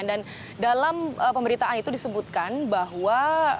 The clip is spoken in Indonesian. dan dalam pemberitaan itu disebutkan bahwa